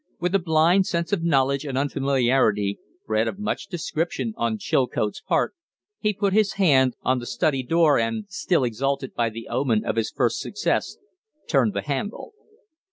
With a blind sense of knowledge and unfamiliarity, bred of much description on Chilcote's part, he put his hand on the study door and, still exalted by the omen of his first success, turned the handle.